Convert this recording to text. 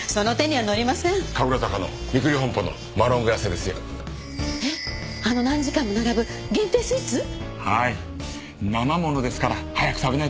はい。